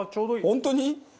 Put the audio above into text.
本当に？